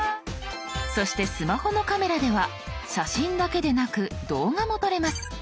そしてスマホのカメラでは写真だけでなく動画も撮れます。